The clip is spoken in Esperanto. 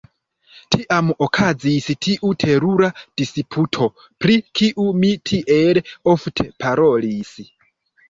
Tiam okazis tiu terura disputo, pri kiu mi tiel ofte parolis.